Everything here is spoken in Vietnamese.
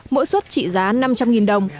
mỗi xuất trị giá năm trăm linh đồng